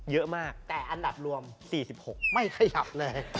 เยอะมากแต่อันดับรวม๔๖ไม่ขยับเลย